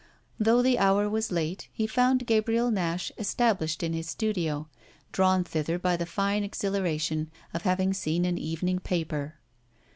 Though the hour was late he found Gabriel Nash established in his studio, drawn thither by the fine exhilaration of having seen an evening paper.